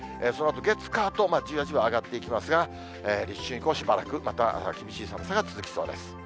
そのあと月、火とじわじわ上がっていきますが、立春以降しばらくまた厳しい寒さが続きそうです。